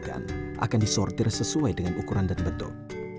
ikan akan disortir sesuai dengan ukuran dan bentuk